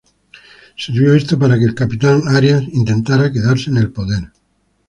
Sirvió esto para que el capitán Arias intentara quedarse en el poder.